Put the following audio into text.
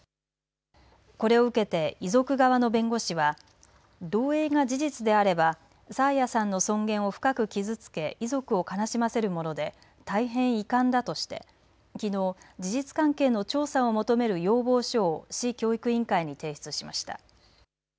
これを受けて遺族側の弁護士は漏えいが事実であれば爽彩さんの尊厳を深く傷つけ遺族を悲しませるもので大変遺憾だとしてきのう事実関係の調査を求める要望書を市教育委員会に提出しました。